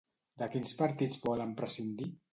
De quins partits volen prescindir?